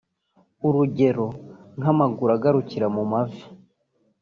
urugero nk’amaguru agarukira mu mavi